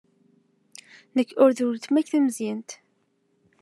Nekk ur d weltma-k tameẓyant.